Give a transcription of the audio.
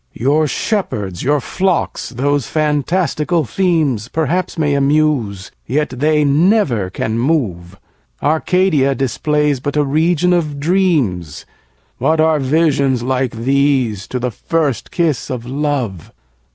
5. Your shepherds, your flocks, those fantastical themes, Perhaps may amuse, yet they never can move: Arcadia displays but a region of dreams; What are visions like these, to the first kiss of love?